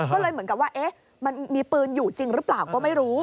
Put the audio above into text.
ก็เลยเหมือนกับว่ามันมีปืนอยู่จริงหรือเปล่าก็ไม่รู้